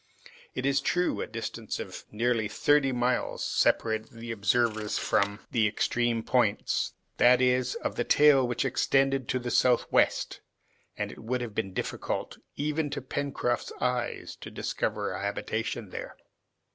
It is true, a distance of nearly thirty miles separated the observers from the extreme points, that is, of the tail which extended to the southwest, and it would have been difficult, even to Pencroft's eyes, to discover a habitation there.